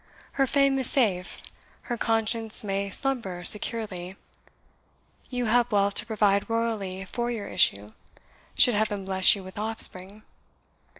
Her fame is safe her conscience may slumber securely. You have wealth to provide royally for your issue, should Heaven bless you with offspring.